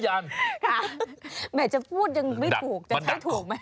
แหมจะพูดยังไม่ถูกจะใช้ถูกไหม